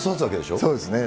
そうですね。